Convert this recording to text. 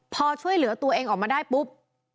พอช่วยเหลือตัวเองออกมาได้ปุ๊บ